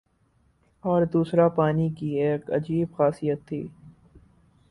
اور دوسرا پانی کی ایک عجیب خاصیت تھی